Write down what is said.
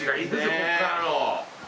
ここからの。